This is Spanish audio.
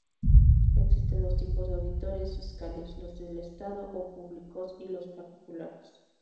Existen dos tipos de auditores fiscales: los del Estado, o públicos, y los particulares.